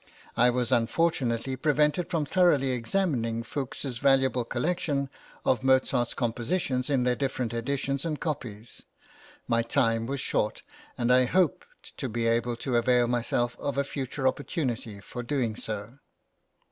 I was unfortunately prevented from thoroughly examining Fuchs's valuable collection of Mozart's compositions in their different editions and copies; my time was short, and I hoped to be able to avail myself of a future opportunity for doing so.